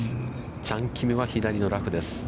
チャン・キムは左のラフです。